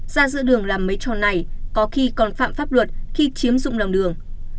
ra giữa đường làm mấy trò này có khi còn phạm pháp luật khi chiếm dụng lòng đường